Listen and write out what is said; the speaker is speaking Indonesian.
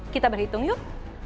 kita berhitung yuk